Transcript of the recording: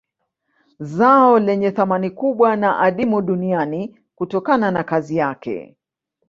Zao lenye thamani kubwa na adimu duniani kutokana na kazi yake